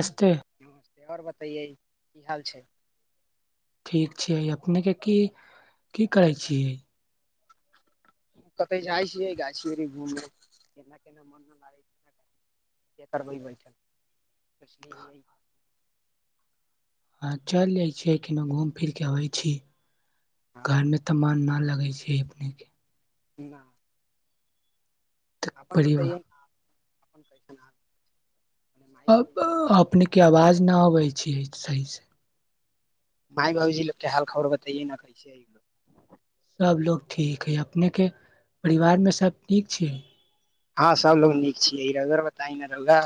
अस्ते नमस्ते आओर बतैयै की हाल छै ठीक छियै अपने के की की करै छियै कते जाइ छियै गाछी उछी घूमे केना केना मन नहि लागै करबै बैठलछल हँ चलि जाइत छियै केनौ घूमि फिर कऽ अबै छी हँ घर मे तऽ मन न लगे लगै छै अपनेके नहि तऽ अपन बताइए परिवार न अपन कैसन मने माय अ बाबूजी अपने के आवाज न अबै छै सही से माय बाबूजी के हाल खबर बताइए न कैसे आ सभ लोग ठीक हइ अपनेके परिवारमे सभ ठीक छै हँ सबलोग नीक छियै रौआ बताइ न रौआ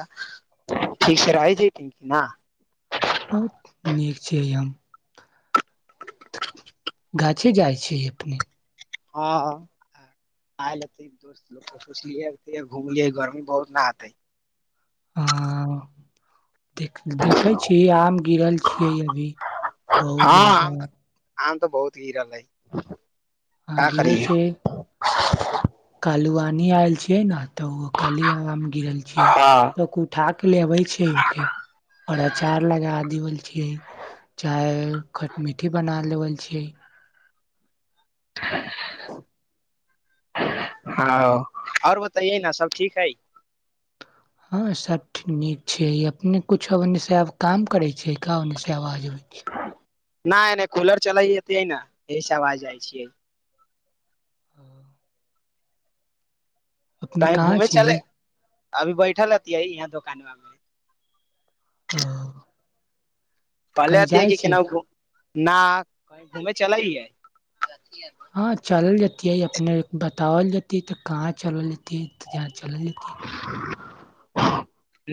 ठीक से रहै छै न आ नीक छै हम गाछी जाइ छै अपने हँ आयल है दोस्त सोचलिय घुमिय गर्मी बहुत न हते हाँ अ देख देखै छी आम गिरल छियै अभी बहुत हँ ज्यादा आम आम तऽ बहुत गिरल है हँ का गिरै करियै छै कालुआन इहाँ आयल छियै ने तऽ ओ खाली आम गिरल छिय हँ त उठा के लेबे छै ओ के और अचार लगा देवल छिय चाहे खट मिठी बना लेबल छियै हँ आओर बताइए न सब ठीक है हँ सब नीक छै अपने कुछो से काम करै छै ओनी सँ आवाज आबैय छै ना नहि कूलर चलै अतै ने इह सँ आवाज जाइ छियै हाँ अपने कहीं कहाँ घूमे चले छियै अभी बैठल हतिैय यहाँ दुोकानमा मे हाँ फकहले हथिन की केना घुम ना कहिं घूमै चल ही हैय हँ चलल जेत छिय अपने बतावल जेतेय तऽ कहाँ चलल जते तऽ जहाँ चलल जैतै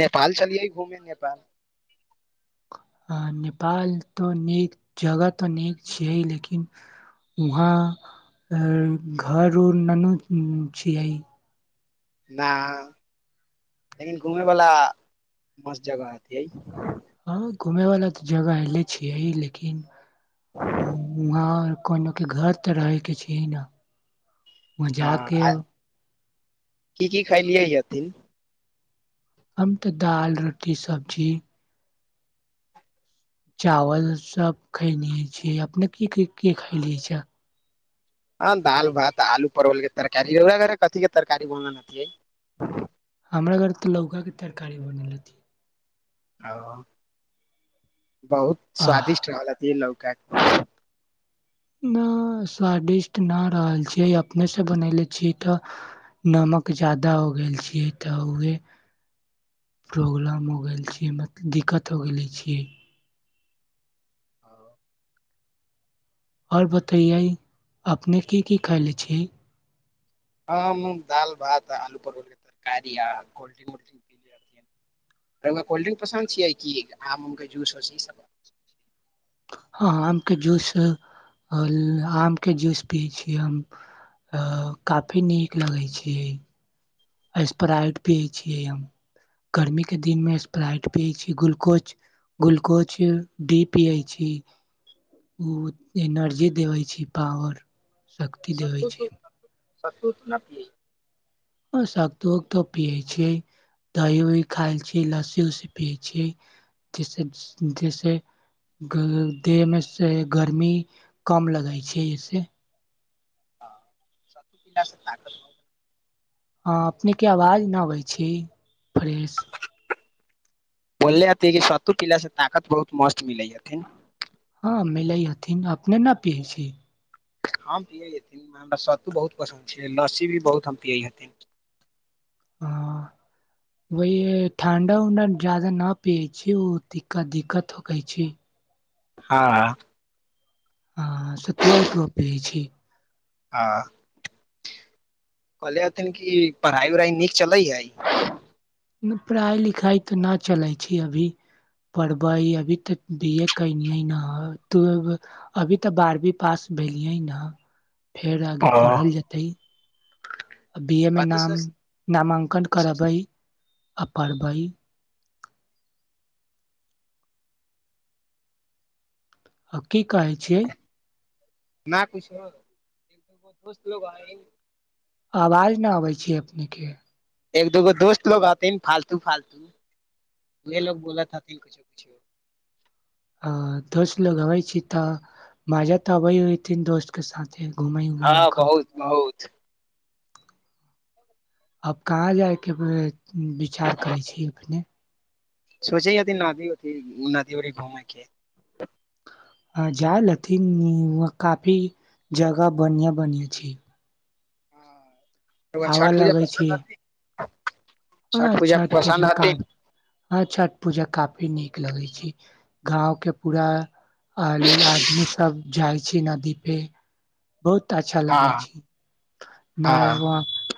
नेपाल चलिय घूमे नेपाल आ नेपाल तऽ नीक जगह तऽ नीक छियै लेकिन वहाँ घर उर ननू छियै ना लेकिन घुमे वाला मस्त जगह अति ह हँ घूमेैवाला तऽ जगह एऐले छियै लेकिन आओर कोन के घर तऽ रहे के छै न हँ मजाक आ आब की की खालिय हेथिन हम तऽ दालि रोटी सब्जी चावल सब खैलिय छिय अपने क के खलिय छ हँ दाल भात आलू परवल के तरकारीरा घर कथ के तरकारी बन है हमरा घर तऽ लौकाके तरकारी बनेलतिै ह बहुत आह स्वादिष्ट रहलथि लोग का न स्वादिष्ट नहि रहल छियै अपनेसँ बनले छियै तऽ नमक जादा हो गेल छियै तऽ उहे प्रॉब्लम हो गेल छियैत दिक्कत हो गेले छियै आओर बतैयै अपने की की खयले छियै आ दाल भात आ आलू परोलके तरकारी आ कोल्ड्रिंक उल्ड्रिंक पी लेथिन ओरा कोल्ड्रिंक पसन्द छियै कि आम उमके जूसस ईसभ हँ हाँ आमके जूस आमके जूस पियै छीय हम काफी नीक लगै छै स्प्राइट पियै छियै हम गर्मीके दिनमे स्प्राइट पियै छी ग्लुकोज ग्लुकोज डी पियै छी ओ एनर्जी देबै छी पावर शक्ति देबै छै सतू न पिय आओ शत्तू उतु तो पियै छियै दही उही खाइ छीियै लस्सी उसी पियै छीय जैस जैसे देहमे से गर्मी कम लगै छै जैस हँ सत्तू सँ तागत हँ अपनेके आवाज नहि अबै छै फ्रेश बोलले हथि कि सतू पिलासँ ताकत बहुत मस्त मिलै हथिन अमे लैय हथिन अपने न पिय छी हम पियै हेथिन हमरा सत्तू बहुत पसन्द छै लस्सी भी बहुत हम पियै हेथिन ह वह ठंडा उंडा जादा न पियए छी ओ दिक्कत हो छी हँ हँ सतुआ अतूआ पीबै छी हँ कहले हथिन कि पढ़ाइ उढ़ाइ नीक चलै हइ पढ़ाइ लिखाइ तऽ नहि चलै छै अभी पढ़बै अभी तऽ बी ए कलियै नँ अभी तऽ बारवीं पास भेलियै नेँ फेर आगे पढ़ल कथि जेतै बी ए मे नाम सोच नामांकन कथि सोच करबै आ पढ़ब बाइ हकी कहै छियै न किछो दोस्त ल ह आवाज नहि अबै छै नीक एक दोगो दोस्त लोग हथिन फालतू फालतू उह लोग बोलत हथिन कछो कछो आ दोस्त लोग अबै छै तऽ मजा तऽ अबे होइथिन दोस्त के साथे घूमै उमै हँ होखम त। बहुत बहुत आब कहाँ जायके विचार करै छी अपने सोचे यदी नदीथि नदी उदी घूमैके ह जाालथि काफी जगह बनिआ बनिआ छै हँ त छठ पूजा पसरल की हँ छठ पूजा हथिन काफी हँ छठ पूजा काफी नीक लगै छी गाँव के पूरा आ आदमी सब जायय छी नदीपे बहुत अच्छा हँ लगे छै हँ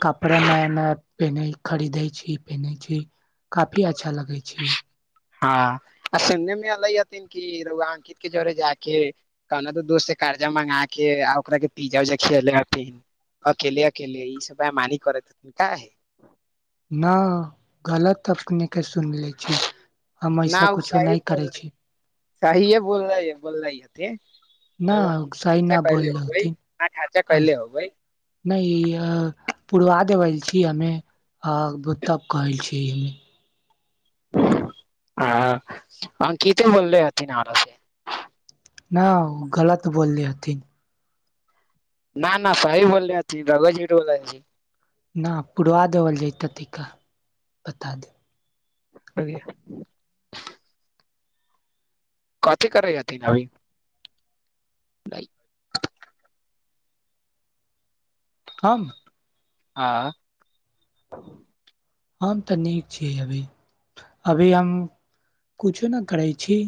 कपड़ा न पेने खरीदै छी पेनेै छी काफी अच्छा लगै छी हँ आ सुनने मे अलै हथिन कि र अंकित के जरे जा के कहना तऽ दोस्त से कर्जा मंगा के आ ओकरा के पिजा उजा खियले हथिन अकेले अकेले ई सबमानी करैत हथिन का हे न गलत अपने के सुनले छी हम न ऐसा ओ कुछो सी नहि बोल करै छी सहिए बोलै बोल ह के न सहि न होबै बोललथि आठ खर्चा कैले होबै नहि पुरवा देवल छी हमे तब कहै छीै हँ अंकिते बोललेथि नर से न ओ गलत बोलले हथिन न न सहिी बोलैथ भगत जी बोलै छी न पुरवा देवल जत तिका बता दे बा कथी करइ त नभी हम आ हम तऽ नीक छीियै अभी अभी हम किछो नहि करै छी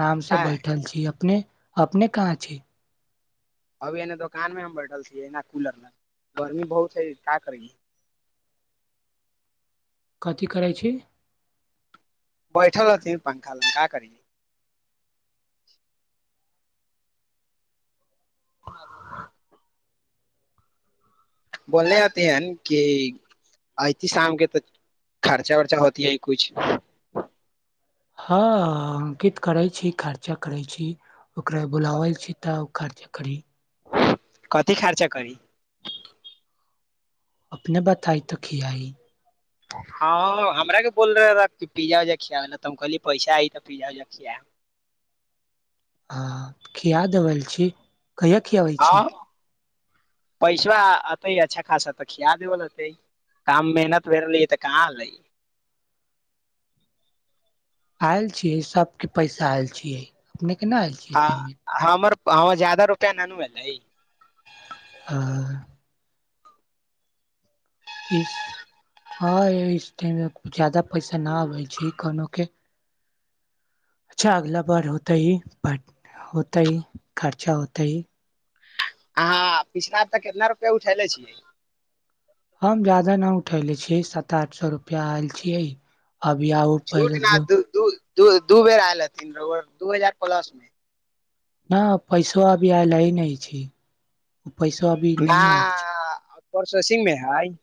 आराम से काहे बैठल छी अपने अपने कहाँ छै अभी एन्ने दोकानमे हम बैठल छियै एना कूलर लग गर्मी बहुत हइ का करैै कथी करै छै बैठलथि पंखा लंखा करी ह बोलने आते है कि अयती शाम के तऽ खर्चा वर्चा होती है कछ हँ अंकित करै छी खर्चा करै छी ओकरा बुलावल छै तऽ खर् कड़ कथी खर्चा करी अपने बात आई तऽ खियाइ हँ हमरराे बोल रहे ता कि पिज्जा उज्जा खियाआवला तऽ हम कहलिय पैसा आइ तऽ पिज्ज उजा खिया हँ किया देबल छी कय खियाबइ छै पैसा अतै अच्छा खासा तऽ खिया देबेतै काम मेहनत भेली तऽ कहाँलै आयल छियै सबके पैसा आयल छियै अपने केना आयल छियै पेमेन्ट आ जााददा रुपैआ ननू म लै आ इस हँ इस टाइम जादा पैसा नहि आबै छै कोनोोक के अच्छा अगला भर होत ही होत ह खर्चा होत ही अहाँ पिछला तऽ कितना रुपआ उठेले छियै हम जा्यदाा नहि उठयनेे छी सात आठ सए रुपैआ आयल छियै अभी आ छूट न दू दूध दू दू बेर आयल हथिन रह दू हजार प्लस मे न पैसा छ अभ आ लय नहि छी ओ पैसो अभी न नहि आयल छै प्रोसेसिंग मे हैइ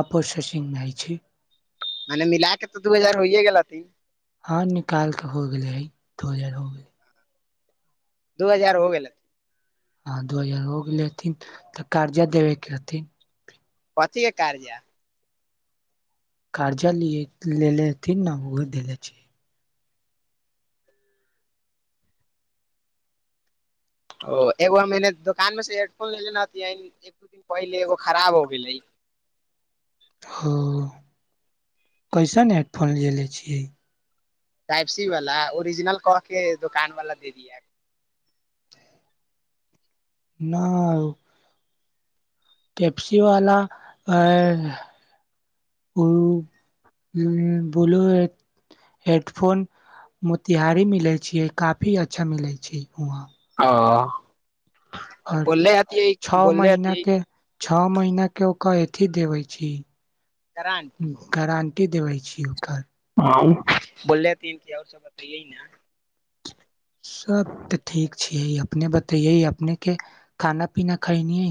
आ प्रोसेसिंग नहि छै मने मिलाक तऽ दू हजार भऽ होइयए गेलै। हँ निकाल क हो गेले हइ दो हजार हो गेले दू हजार हो गेल हँ दू हजार हो गेले हथिन तऽ कर्जा देबेके हथिन कथ के कज कार्यालिथि न उ दने छै ओ एकगार मैने दुोकान मे से हेडफोन ले ले नथ एक दू दिन पहिलेगो खराब हो गेलै ओ कैसन हेडफोन लेने छियै टाइपिसँ वाला ओरिजिनल कऽ कऽ दोकानदारकेँ दऽ दिअ। नहि टाइपिसँ वाला ब्लू हेडफोन मोतिहारीमे मिलै छै, काफी नीक मिलै छै ओतय। ह आओर बोलल आती ह छओ बोलने महीना आती है के छओ महिनाके ओक अथी देबै छी इकरा आंटी घरा देबै छी ओकर बोल रहे त कि आओर सभ बता यी ने सभ तऽ ठीक छियै अपने बतैये अपने के खाना पीना खैनी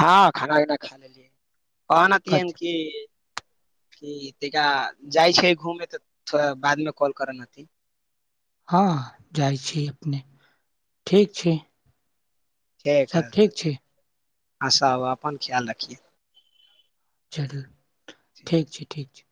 हँ खाना पना खा लेलियै कथि [unintelligible] कि तिका जाइ छै घूमे तऽ थोड़ा बादमे कॉल करन अथि हँ जाइ छी अपने ठीक छी सभ ठीक छी आसा अपन ख्याल रखिए चल ठीक छै ठीक छै